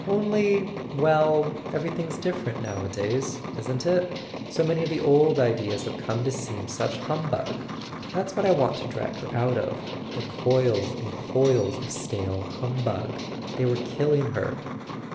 "Only— well, everything's different nowadays, isn't it ? So many of the old ideas have come to seem such hum¬ bug. That's what I want to drag her out of—the coils and coils of stale humbug. They were killing her."